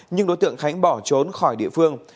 nhưng đối tượng khánh bỏ trốn khỏi địa phương